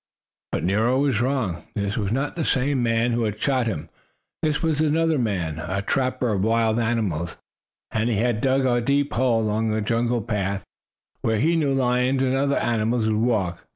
But Nero was wrong. This was not the same man who had shot him. This was another man, a trapper of wild animals, and he had dug a deep hole along a jungle path where he knew lions and other animals would walk.